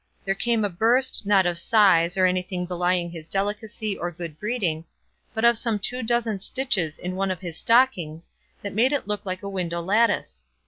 there came a burst, not of sighs, or anything belying his delicacy or good breeding, but of some two dozen stitches in one of his stockings, that made it look like a window lattice.